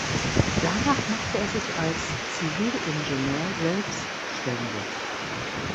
Danach machte er sich als Zivilingenieur selbständig.